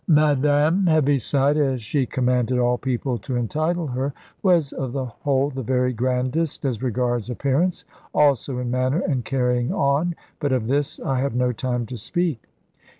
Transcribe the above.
Madame Heaviside (as she commanded all people to entitle her) was of the whole the very grandest as regards appearance. Also in manner and carrying on; but of this I have no time to speak.